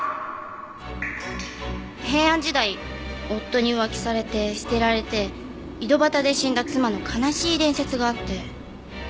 平安時代夫に浮気されて捨てられて井戸端で死んだ妻の悲しい伝説があって。